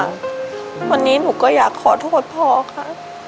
วันนี้หนูก็อยากขอโทษพ่อค่ะ